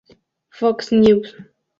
Fox News.